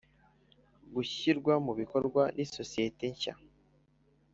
gushyirwa mu bikowa n isosiyete nshya